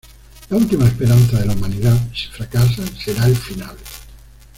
La última esperanza de la humanidad, si fracasa será el final.